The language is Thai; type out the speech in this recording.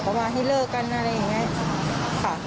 ใช่ขี่มอเตอร์ไซส์มา๒คน